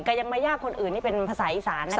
ก็ยังไม่ยากคนอื่นนี่เป็นภาษาอีสานนะ